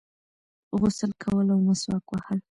غسل کول او مسواک وهل